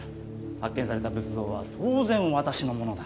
発見された仏像は当然私のものだ。